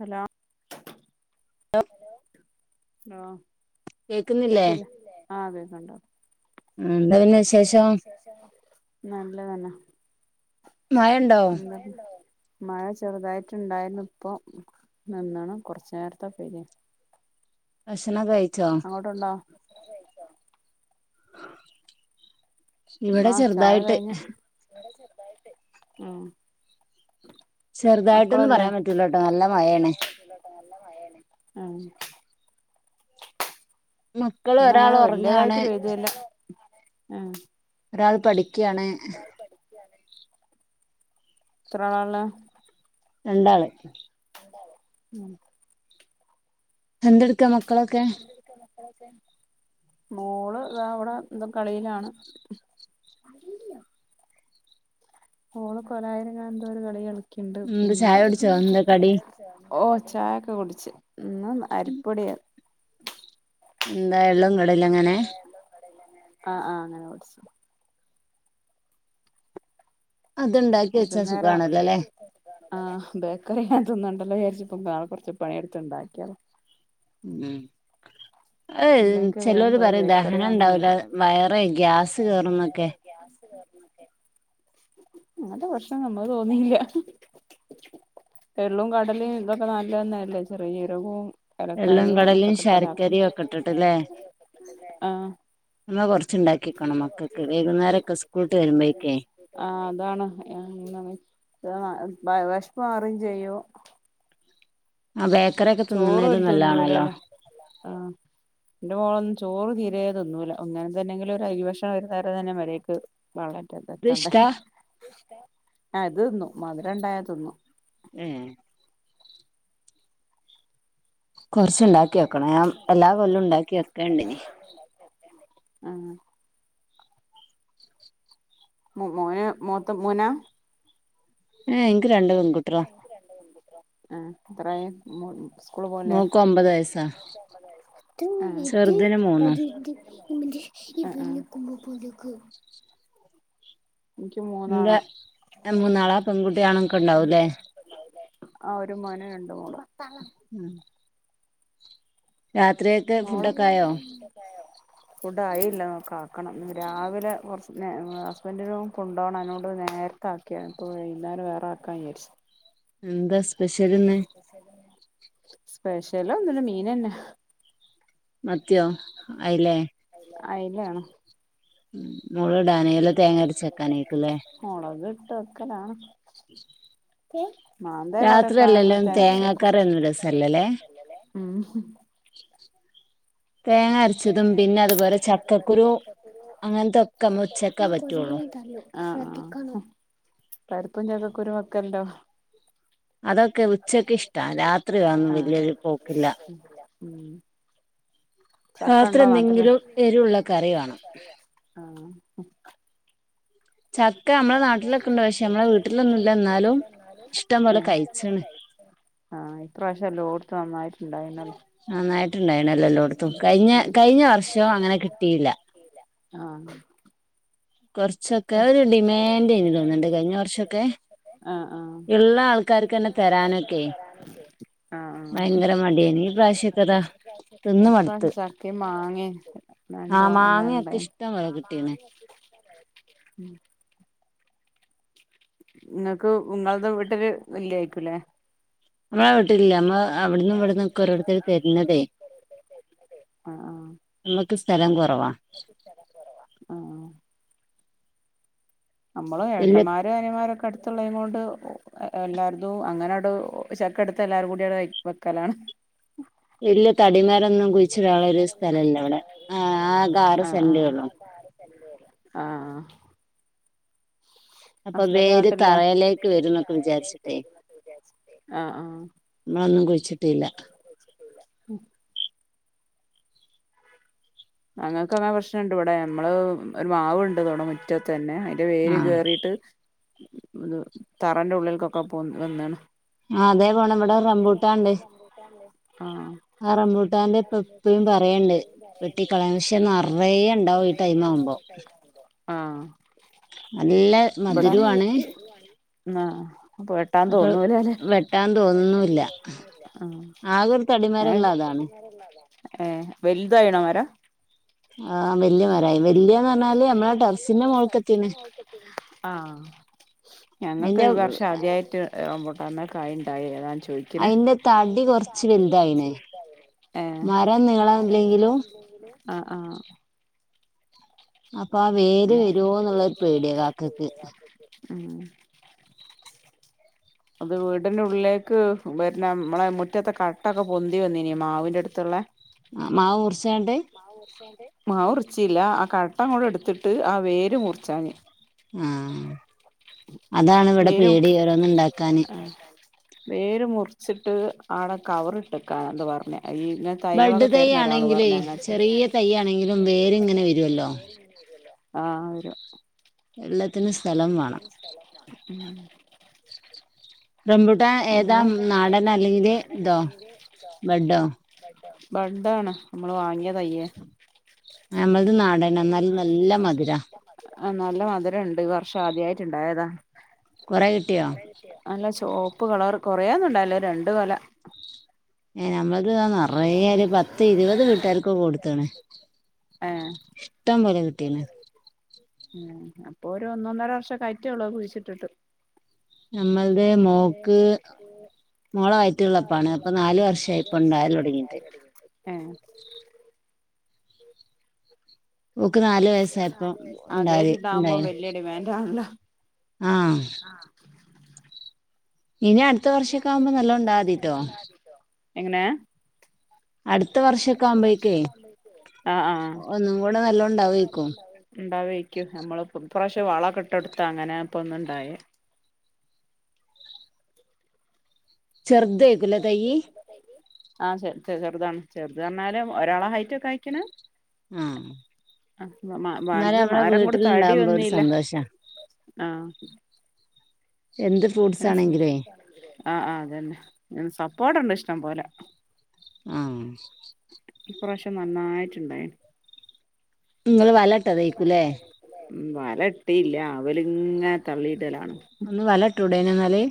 Hello hello hello കേക്കുന്നില്ലേ കേൾക്കില്ലേ ആഹ് അതെ കണ്ടോ എന്താ പിന്നെ വിശേഷം നല്ല തന്ന മയണ്ടോ മഴ ചെറുതായിട്ട് ഇണ്ടായിരുന്നു ഇപ്പോ നിന്നണ്‌ കുറച്ചു നേരത്തെ പെയ്‌തീനിം ഭക്ഷണം ഒക്കെ ക അങ്ങോട്ടുണ്ടോ ഇവിടെ മാ ചായ ചെറുതായിട്ട് കഴിഞ്ഞു ഉം ചെറുതായിട്ടൊന്നും മക്കളല്ലേ പറയാൻ പറ്റൂലട്ടോ നല്ല മഴെണ് നല്ല മഴാണ് ആഹ് മക്കള് ഇന്ന് ഒരാൾ അങ്ങനെ ഉറങ്ങാണ് വല്യതായിട്ട് പെയ്തില്ല ഏഹ് ഒരാൾ പഠിക്കാണ്‌ പഠിക്കാണ് എത്ര ആളാ രണ്ടാള് രണ്ടാള് ഉം എന്തെടുക്കാ മക്കളൊക്കെ എന്തെടുക്കാ മക്കളൊക്കെ മോള് താ ഇവിടെ ന്തോ കളിയിലാണ് ഓള് കൊലായില് ഇങ്ങനെ എന്തോ ഒരു കളി കളിക്ക്ണ്ട് എന്ത് പിന്നെ ചായ കുടിച്ചോ എന്താ കടി ഓഹ് ചായൊക്കെ കുടിച്ച് ഇന്ന് അരിപ്പൊടിയാ എന്താ എള്ളും [unintelligible] ങ്ങനെ ആഹ് ആഹ് അങ്ങനെ പൊടിച്ചത് അത്ണ്ടാക്കി ഏത് വെച്ചാ നേരം സുഖാണല്ലോ അല്ലെ ആഹ് ബേക്കറി ഇങ്ങനെ തിന്നണ്ടല്ലോ വിചാരിച്ച് ഇപ്പോ കൊറച്ച് പഴം എടുത്ത് ഇണ്ടാക്കിയതാ ഉം അഹ് ഇല്ലെങ്കി വേഗം ചിലര് പോയി പറയും ബേക്കറി ദഹനം വാങ്ങി ഇണ്ടാവൂല വരും വയറ് ഗ്യാസ് കേറുന്നൊക്കെ ഗ്യാസ് കേറുന്നൊക്കെ അങ്ങത്തെ പ്രശ്നം നമ്മൾക്ക് തോന്നില്ല എള്ളും കടലീം ഇതൊക്കെ നല്ല തന്നല്ലേ ചെറിയ ജീരകവും എള്ളും ഏലക്കായും കടലീം അങ്ങനത്തൊക്കെ ഇട്ടലാക്കണം ശർക്കരിയൊക്കെ ഇട്ടിട്ട് ലെ ആഹ് മ്മ കൊറച്ചുണ്ടാക്കി വെക്കണം മക്കൾക്ക് വൈകുന്നേരം ഒക്കെ സ്കൂൾ ഇട്ട് വരുമ്പോഴേക്ക് ആഹ അതാണ് ഏ ന്ന വേശപ്പ് മാറും ചെയ്യും ആ ബേക്കറിയൊക്കെ തിന്ന്‌ണേതിലും നല്ലതാണല്ലോ ആഹ എന്റെ മോളൊന്നും ചോറ് തീരെ തിന്നൂല ഇങ്ങനെ തന്നെങ്കിലും ഒരു അരിഭക്ഷണം ഒരുനേരം തന്നെ മര്യാദക്ക് പള്ളേൽക്ക് ഇത് എത്തേണ്ട ഇഷ്ടാ ഇഷ്ടെ ആ ഇത് തിന്നും മധുര ഉണ്ടായാൽ തിന്നും ഏ കൊറച്ച്ണ്ടാക്കി വെക്കണം ഞാൻ എല്ലാ കൊല്ലം ഉണ്ടാക്കി വെക്കേണ്ടിനി ആഹ മോ മോന മൂത്ത മോനാ ഏ ഇൻക്ക് രണ്ടു പെൺകുട്ടികാള ഇൻക്ക് രണ്ട് പെൺകുട്ടിളാ ആഹ എത്ര ആയി മു സ്കൂൾ പോണില്ലേ മോക്ക് ഒമ്പത് വയസ്സാ അഹ ചെറുതിന് മൂന്നും ആഹ എനിക്ക് മൂന്നാണ എന്താ അന്റെ പെൺകുട്ടിയാണൊക്കെ മൂന്നാളാ ഉണ്ടാവൂല്ലേ പെൺകുട്ടിയാ ഉണ്ടാവും ലെ ആ ഒരു മോനും രണ്ട് മോളും ഉം രാത്രിയത്തെ ഫുഡ്‌ മോള് ഒക്കെ ആയോ [unintelligible] ഫുഡ് ആയില്ല കാക്കണം രാവിലെ കുറച്ച് ഹസ്ബൻഡ കൊണ്ടുപോണം അതിനോട് നേരെ ഇ ആാക്കിയാപ്പോൾ ഇന്നാലും വേറെ ആക്കാൻ വിചാരിച്ചത് എന്താ സ്പെഷ്യൽ ഇന്ന് സ്പെഷ്യൽ ഒന്നുമില്ല മീനന്നെ മത്തിയോ അയിലേ അയിലാണ് മുള് ഇടാന അല്ല തേങ്ങ അരച്ചക്കാനേക്കല്ലേ മുളകിട്ട വെക്കലാണ് മാന്തേ [inaudible] കോരൊക്കെ ആണെങ്കിൽ രാത്രിയല്ലല്ലോ തേങ്ങരച്ച് വെക്കും തേങ്ങാകറി എന്ന രസല്ലല്ലേ ഉം തേങ്ങ അര ച്ചതും പിന്നെ അതുപോലെ ചക്കക്കുരു അങ്ങനത്തെൊക്കെമ്മ ഉച്ചക്കാ പറ്റുള്ളൂ ആ ആ പരിപ്പും ചക്കക്കുരു വെക്കലുണ്ടോ അതൊക്കെ ഉച്ചക്ക് ഇഷ്ട രാത്രിയാ ഒന്നും വലിയൊരു പോക്കില്ല മം രാത്രി നാട്ടില് എന്തെങ്കിലും എരിവുള്ള കറി കാണാം ആഹ ചക്ക നമ്മളെ നാട്ടിലൊക്കെ ഉണ്ട് പക്ഷെ നമ്മളെ ഒന്നുമില്ല വീട്ടിൽ ഒന്നുമില്ല എന്നാലും ഇഷ്ടം പോലെ കഴിച്ചാണ് ആഹ ഇപ്രാവശ്യല്ലോ എല്ലോടത്തും നന്നായിട്ടുണ്ട് നന്നായിട്ടുണ്ടായിണല്ലോ നന്നായിട്ടുണ്ടായിനല്ല എല്ലോടത്തും കഴിഞ്ഞ കഴിഞ്ഞ വർഷവും അങ്ങനെ കിട്ടിയില്ല ആഹ കുറച്ചൊക്കെ ഒരു ഡിമാൻഡ് എനി തോന്നിണ്ട് കഴിഞ്ഞ വർഷോക്കെ ആഹ് ആഹ് ഉള്ള ആൾക്കാർക്ക്ന്നെ തരാനൊക്കെ ആഹ് ആഹ് ഭയങ്കര മടിയനി ഇപ്രാവശ്യ കഥതിന്ന മടുത്തു ഇപ്രാവശ്യം ചക്കിം മാങ്ങിം ആഹ നല്ലോ നല്ലോണം മാങ്ങയൊക്കെ ഇണ്ടായിനി ഇഷ്ടം പോല കിട്ടീന്നു ഉം ഇങ്ങക്ക് ഇങ്ങൾടെ വീട്ടില് ഇല്ല്യേയ്ക്കുലെ നമ്മളെ വീട്ടില്ല നമ്മ അവിടന്നും നമ്മളെ ഇവിടന്നൊക്കെ വീട്ടില്ല നമ്മള് ഓരോരുത്തര് തരുന്നതേ അവിടന്നുംഇവിട്ന്നും ഓരോര്ത്തല് തര്നതേ ആഹ് നമ്മക്ക് സ്ഥലംകുറവാ ക്ക് സ്ഥലം കുറവാ അ ആഹ് നമ്മള് വല്യ ഏട്ടന്മാരും അനിയമാരൊക്കെ അടുത്തുള്ളേയ്നോണ്ട് എല്ലാര്തും അങ്ങനട് ചക്കട്ത്ത് എല്ലാരുംകൂടീയാണ്ട് വെക്കലാണ് ഇല്ല തടിമാരൊന്നും കുഴിച്ചിടാള്ളൊര് സ്ഥലല്ലവിടെ ആകെ ആറ് സെന്റെള്ളു തല്ലേലെ ആഹ് ആഹ് അപ്പൊ ഹസ്ബന്റ് വേര് നാട്ടിലില്ലേ തറയിലേക്ക് വരുന്നൊക്കെ വിചാരിച്ചിട്ടെ ആഹ് മ്മളൊന്നും കുഴിച്ചിട്ടീല്ല ഒന്നും കുയ്ച്ചിട്ടീല്ല ഉം അങ്ങൾക്ക് അങ്ങനെ പ്രശ്നണ്ട്ഇവടെ നമ്മള് ഒരു മാവുണ്ട് ഇവടെ മുറ്റത്തന്നെ അതിന്റെ ആഹ് വേര്കേറി ട്ട് തറന്റെ ഉള്ളിൽക്കൊക്കെ പോ വന്ന്ണ് ആ അതേ പോണം ഇവിടെ റംബൂട്ടാണ്ട് മ്പുട്ടാണ്ട് ആഹ് ആ റമ്പൂട്ടാന്റെ പ്പെപ്പും പറയണ്ട് വെട്ടിക്കളയാൻ വെട്ടി കളയാൻ പക്ഷെ നിറയെ ഉണ്ടാവും ഈ ടൈം ആവുമ്പോ നെറയെണ്ടാവും തൈകാണുമ്പം ആഹ് നല്ല മധുരുആണ് രുവാണ് ഉം ആഹ് ആഹ് പ്പ അപ്പൊ വെട്ടാൻ തോന്നുന്നുല്ല ആകെ ഒരു ആഹ് ഏഹ് തടിമരള്ള അതാണ് ഏ വലുതായിണ മരം ആഹ് വല്യ മരായി ആഹ് വല്യന്ന് വല്ല്യമരായി പറഞ്ഞാല് നമ്മളെ വല്ല്യാന്നർഞ്ഞാല് ടെറസിന്റെ നമ്മള ടെറസിൻ്റ മോൾക്കെത്തീണ് മോള്ക്കെത്തി ആഹ് ഞങ്ങക്ക് അതിന്റെ ഈ വർഷാദ്യായിട്ട് റംബുട്ടാമ്മെ കായിണ്ടായി അതാണ് ചോയി ക്കിണ് അതിന്റെ തടി അയിന്റെ കുറച്ച് തടി വലുതായിണ് കൊർച്ൽതായിണ് മരം നീളല്ലെങ്കിലും മരംനീളണ്ട് ഏഹ് ആഹ് ആഹ് അപ്പാ വേര് വരുവോന്നുള്ളൊരു പേടിയാ കാക്കക്ക് ആഹ് അത് വീടിൻ്റ ഉള്ളിലേക്ക് വര്ണ മ്മളെ മുറ്റത്തെ കട്ടൊക്കെ പൊന്തി വന്നീനി മാവിൻ്റട്ത്ത്ള്ള ആ മാവ് മുറിചാണ്ട് മാവുർചാണ്ട് മാവുറിച്ചീല്ല ആ കട്ട അങ്ങോടെട്ത്തിട്ട് ആ വേര് മുറിച്ചാഞ്ഞ് ആഹ് അതാണിവട വേരും പേടി ഓരോന്ന് ഇണ്ടാക്കാന് വേര് മുറിച്ചിട്ട് ആടെ കവറിട്ടെക്കാന എന്തോ പറഞ്ഞ് ഈ നേ ബഡ് തൈയാണെങ്കിലേ ചെറിയ തൈയാണെങ്കിലും വേരിങ്ങനെ വരുവല്ലോ ആഹ് വരും എല്ലത്തിനും സ്ഥലം വാണം സ്ഥലംവാണം ഉം റംബുട്ടാൻ ഏതാ നമ്മള് ഉം നാടനാ അല്ലെങ്കില് ഇതോ ബഡ്ഡോ ബഡ്ഡാണ് നമ്മള് വാങ്ങിയ തൈയ്യേ നമ്മൾത് നാടനാ ന്നാലും നല്ലമധുരാ ആഹ് നല്ല മധുരണ്ട് ഈ വർഷം ആദ്യായിട്ട്ണ്ടായതാ കൊറേ കിട്ടിയോ നല്ല ചോപ്പ് കളർ കൊറേയൊന്നുണ്ടായില്ല ഒരണ്ട് കൊല ഏഹ് നമ്മൾത് ദാ നെറയെ ഒരു പത്ത് ഇരുപത് വീട്ടാര്ക്ക് കൊടുത്ത്ണ് ഏഹ് ഇഷ്ടംപോലെ കിട്ടീണ് ഉം അപ്പൊ ഒരു ഒന്നൊന്നര വർഷൊക്കായിറ്റേ ഒള്ളൂ അത് കുഴിച്ചിട്ടിട്ട് നമ്മൾത് മോക്ക് മോള വയറ്റില്ള്ളപ്പാണ് അപ്പൊ നാല് വർഷായി പ്പൊ ഇണ്ടാകല് തൊടങ്ങീട്ട് ഏഹ് ഓക്ക് നാല് വയസ്സായപ്പോ ഉണ്ടായി ആദ്യായിട്ടിണ്ടാവുമ്പോ ഉണ്ടായിന് വല്യ ഡിമാൻഡാണല്ലോ ആഹ് ഇനി അടുത്ത വർഷക്കാവുമ്പം നല്ലോണ്ടാതീട്ടോ എങ്ങനേ അടുത്ത വർഷൊക്കെ ആവുമ്പോഴേക്കേ ആഹ് ആഹ് ഒന്നും കൂടെ നല്ലോം ഉണ്ടാവേക്കും ഇണ്ടാവേയിക്കും നമ്മളിപ്പൊ ഇപ്പ്രാശ്യം വളാക്കിട്ടൊടുത്ത അങ്ങനെ ഇപ്പൊന്ന്ണ്ടായേ ചെറ്ദ്ദേയിക്കൂലെ തൈയ്യി ആഹ് ചെർ ചെ ചെറ്താണ് ചെറ്ത് അർഞ്ഞാല് ഒരാള ഹൈറ്റൊക്കായിക്കിണ് ആഹ് അ മ മാ എന്നാലും മത് നമ്മളെ മരം കൊണ്ട് തടി വീട്ടിലുണ്ടാകുമ്പോ ഒരു വന്നീല്ല സന്തോഷാ ആഹ് എന്ത് സ് ആഹ് ആഹ് അതന്നെ ഉം സപ്പോട്ട്ണ്ട് ഇഷ്ടം പോലെ ആഹ് ഇപ്രാവശ്യം നന്നായിട്ട്ണ്ടായിന് ഇങ്ങള് വലട്ടതേയ്‌ക്കൂലേ ഉം വല ഇട്ടീല്ല ആവലിങ്ങനെ തള്ളിയിടലാണ് ഒന്ന് വല ഇട്ടൂടേനോ ഇന്നാല്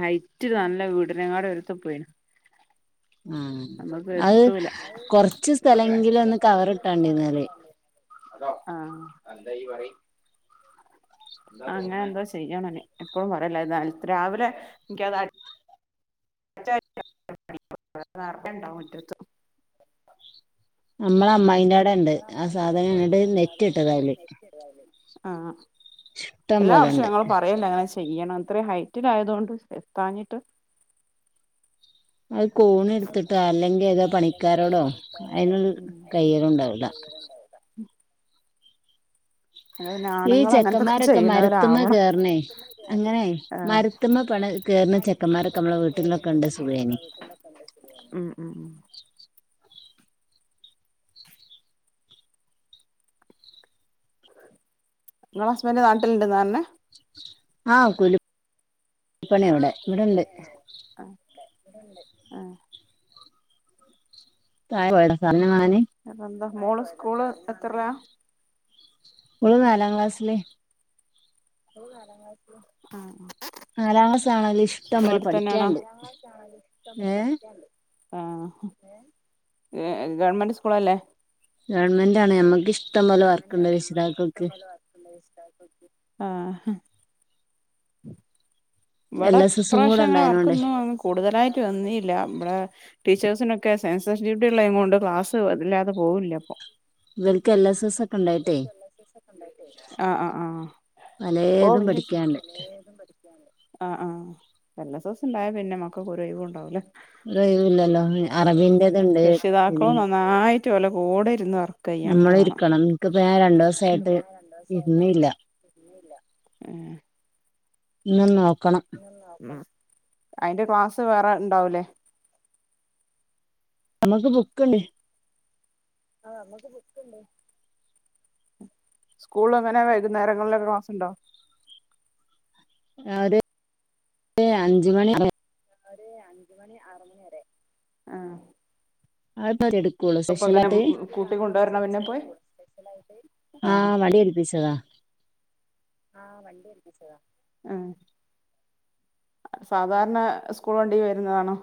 ഹൈറ്റ് നല്ല വീടിനേങ്ങാട് ഉയരത്ത് പോയീന് ആഹ് അത് നമ്മക്കെത്തൂല കൊറച്ച് സ്ഥലെങ്കിലും ഒന്ന് കവറിട്ടാണ്ടി എന്നാല് ആഹ് അങ്ങനെന്തോ ചെയ്യാന്നാല് എപ്പഴും പറയല്ല നെൽത്ത് രാവിലെ ഇൻക്കതട് [inaudible] നെറയെണ്ടാവും മുറ്റത്ത് നമ്മള അമ്മായിന്റെടെ ഇണ്ട് ആ സാധനം ന്നട്ട് നെറ്റ് ഇട്ടതായ്‌ല് ആ ഇഷ്ടം എല്ലാ വർഷവും പോലെണ്ട് ഞങ്ങള് പറയല്ണ്ട് അങ്ങനെ ചെയ് ചെയ്യണം ഇത്ര ഹൈറ്റിലായതുകൊണ്ട് എത്താഞ്ഞിട്ട് അത് കോണി എടുത്തിട്ടോ അല്ലെങ്കിൽ ഏതോ പണിക്കാരോടോ അഴിനു കയ്യല്ണ്ടാവൂല [inaudible] അത് പിന്നെ ഈ ആണുങ്ങൾ അങ്ങനത്തൊക്കെ ചെക്കന്മാരൊക്കെ മരത്ത്മ ചെയ്യണവരാവണം കേർണേ അങ്ങനെയ്‌ ആഹ് മര് ത്ത്മ പണ കേർണ ചെക്കന്മാരക്കെ നമ്മളെ വീട്ടിൽന്നൊക്കെ ഉണ്ടെ സുഖേനി ഉം ഉം [inaudible] ങ്ങള ഹസ്ബൻഡ് നാട്ടിൽണ്ട്ന്ന പർഞ്ഞെ ആഹ് കുലിപ്പണി ഇവടെ ഇവടണ്ട് അ ആഹ് [unintelligible] എന്ത മൊള് സ്കൂള് എത്തർലാ ഓള് നാലാം ക്ലാസ്സില് ആഹ് നാലാം ക്ലാസ് ആണെങ്കിലും ഇഷ്ടം സ്‌കൂൾ പോലെ അടുത്തന്നെണോ പഠിക്കാണ്ട് ഏ ആഹ് ഗവൺമെന്റ് സ്കൂളല്ലേ ഗവൺമെന്റ് ആണ് ഞമ്മക്ക് ഇഷ്ടം പോലെ വർക്ക്ണ്ട് രക്ഷിതാക്കൾക്ക് ആ ഹ് എൽ ഇവടെ എസ് എസും കൂടെ ഇപ്രാവശ്യം അങ്ങനെ ഉണ്ടായതിനോണ്ട് വർക്കൊന്നും കൂടുതലായിട്ട് വന്നീല്ല ബടെ ടീച്ചേഴ്സിനൊക്കെ സെൻസസ് ഡ്യുട്ടി ഉള്ളെ കൊണ്ട് ക്ലാസ് ഇല്ലാതെ പോകൂല്ലപ്പൊ ഇവൽക്ക് എൽ എസ് എസ് ഒക്കെ ഉണ്ടായിട്ടേ ആ ആ ആഹ് പലേതും പഠിക്കാണ്ട് തും പഠിക്കാണ്ട് ആഹ് ആഹ്. എൽ എസ് എസ് ഉണ്ടായ പിന്നെ മക്കക്കൊരൊയ്‌വും ഉണ്ടാവൂലാ. ഒരൊയ് വൂല്ലല്ലോ. അറബിൻ്റതുണ്ട് പിന്നെ ന്നായിട്ട് ഓലെ കൂടെ ഇരുന്ന് വർ നമ്മളിര്ക്കണം. നമ്മളിരിക്കണം. ഇന്ന് പ്പം രണ്ടീസായിട്ട് ഇരുന്നില്ല ഇര്ന്നില്ല. ഏഹ് ഇന്ന് നോക്കണം. ഉം അയിന്റെ ക്ലാസ്സ് വേറെണ്ടാവുലേ? ഞമക്ക് ബുക്ക് ഇണ്ട് ആഹ് ഞമ്മക്ക് ബുക്ക്ണ്ട് സ്കൂളില് അങ്ങനെ വൈകുന്നേരങ്ങളിലൊക്കെ ക്ലാസ് ഉണ്ടോ? ആഹ് ഒരു അഞ്ച് മണി [unintelligible] ഒരു അഞ്ച് മണി ആറ് മണി വരെ. ആഹ് അത് മാത് എടുക്കൊള്ളൂ അപ്പൊ അങ്ങനെ സ്പെഷ്യലായിട്ട് കൂട്ടി കൊണ്ടുവരണൊ പിന്നെ പോയി ആഹ് വണ്ടിയേൽപ്പിച്ചതാ. ആഹ് വണ്ടി ഏൽപ്പിച്ചതാ. അഹ് സാധാരണ സ്കൂൾ വണ്ടി വരുന്നതാണോ?